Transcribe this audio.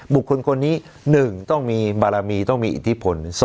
บุคคลคนนี้๑ต้องมีบารมีต้องมีอิทธิพล